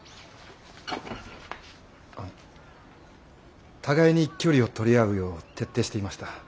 あの互いに距離を取り合うよう徹底していました。